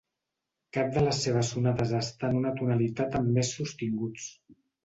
Cap de les seves sonates està en una tonalitat amb més sostinguts.